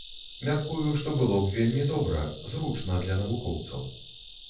Мяркую, што было б вельмі добра, зручна для навукоўцаў.